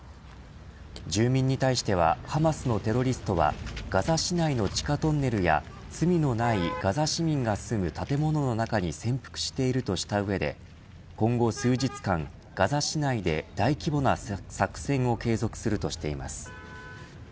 住民に対してはハマスのテロリストはガザ市内の地下トンネルや罪のないガザ市民が住む建物の中に潜伏しているとした上で今後数日間、ガザ市内で大規模な作戦を継続するとしています。